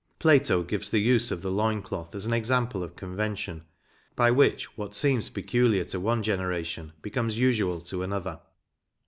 Plato gives the use of the loin cloth as an example of convention, by which what seems peculiar to one generation becomes usual to another.